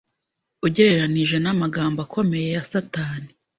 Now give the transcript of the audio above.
ugereranije n’amagambo akomeye ya Satani